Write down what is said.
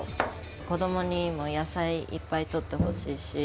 子どもにも野菜いっぱいとってほしいし。